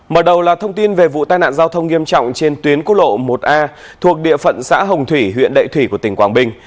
mở đầu là thông tin về vụ tai nạn giao thông nghiêm trọng trên tuyến quốc lộ một a thuộc địa phận xã hồng thủy huyện lệ thủy của tỉnh quảng bình